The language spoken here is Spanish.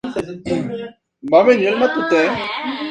Finalmente Elliot y Rossio realizaron otros cambios en la trama.